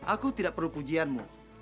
aku tidak perlu pujianmu